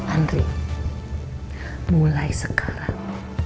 andri mulai sekarang